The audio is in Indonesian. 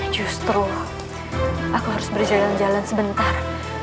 justru aku harus berjalan jalan sebentar